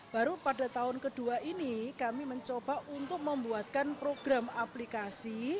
baru pada tahun kedua ini kami mencoba untuk membuatkan program aplikasi